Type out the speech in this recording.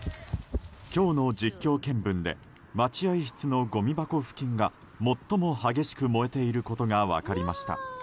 今日の実況見分で待合室のごみ箱付近が最も激しく燃えていることが分かりました。